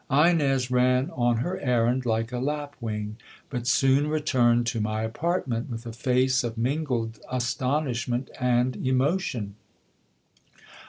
Ines ran on her errand like a lapwing ; but soon returned to my apartment with a face of mingled astonishment and emotion.